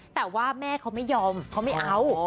แต่ว่าแม่เขาไม่ยอมเขาไม่เอา